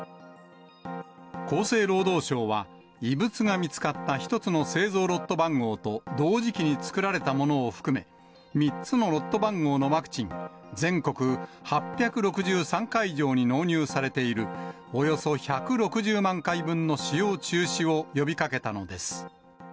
厚生労働省は、異物が見つかった１つの製造ロット番号と同時期に作られたものを含め、３つのロット番号のワクチン、全国８６３会場に納入されているおよそ１６０万回分の使用中止を呼びかけたのです。